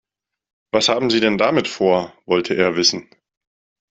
Was haben Sie denn damit vor?, wollte er wissen.